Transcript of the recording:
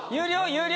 有料？